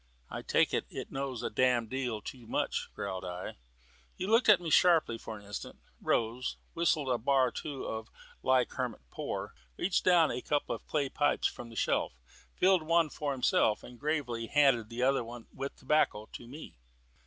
"I take it, it knows a damned deal too much," growled I. He looked at me sharply for an instant, rose, whistled a bar or two of "Like Hermit Poor," reached down a couple of clay pipes from the shelf, filled one for himself, and gravely handed the other with the tobacco to me.